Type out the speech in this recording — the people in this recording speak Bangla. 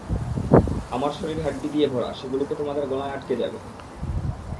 আমার শরীর হাড্ডি দিয়ে ভরা, সেগুলো তোমাদের গলায় আঁটকে যাবে।